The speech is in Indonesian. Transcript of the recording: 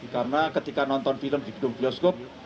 karena ketika nonton film di gedung bioskop